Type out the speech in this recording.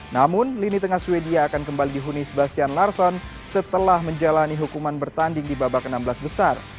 namun lini tengah sweden akan kembali dihuni sebastian larson setelah menjalani hukuman bertanding di babak enam belas besar